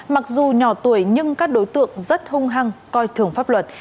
mặc dù nhỏ tuổi nhưng các đối tượng rất hung hăng coi thường pháp luật